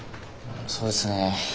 そうですね。